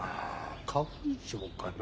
花粉症かな？